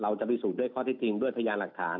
เราจะวิสูจน์ด้วยข้อที่ดีด้วยพยานหลักฐาน